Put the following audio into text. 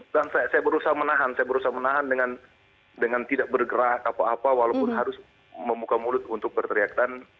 saya berusaha menahan saya berusaha menahan dengan tidak bergerak apa apa walaupun harus membuka mulut untuk berteriak